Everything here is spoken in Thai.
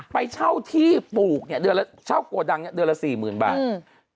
ไปเช่าที่ปลูกเนี่ยเช่าโกดังเนี่ยเดือนละ๔๐๐๐๐บาท